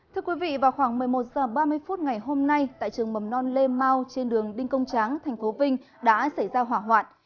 thưa quý vị vào khoảng một mươi một h ba mươi phút ngày hôm nay tại trường mầm non lê mau trên đường đinh công tráng thành phố vinh đã xảy ra hỏa hoạn